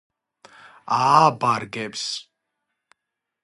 ააბარგებს